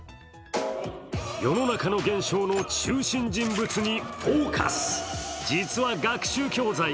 世の中の現象の中心人物に「ＦＯＣＵＳ」。